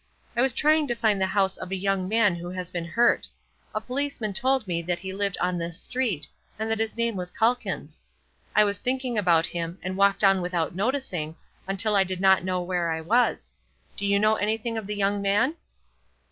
I was trying to find the house of a young man who has been hurt. A policeman told me that he lived on this street, and that his name is Calkins. I was thinking about him, and walked on without noticing, until I did not know where I was. Do you know anything of the young man?"